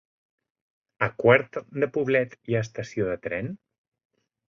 A Quart de Poblet hi ha estació de tren?